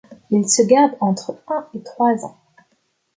Il se garde entre un et trois ans.